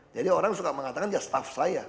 jadi orang suka mengatakan dia staff saya